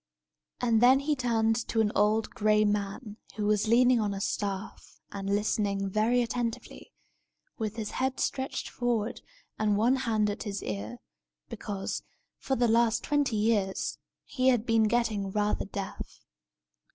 And then he turned to an old, gray man, who was leaning on a staff, and listening very attentively, with his head stretched forward and one hand at his ear, because, for the last twenty years, he had been getting rather deaf.